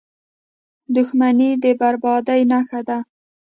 • دښمني د بربادۍ نښه ده.